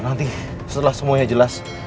nanti setelah semuanya jelas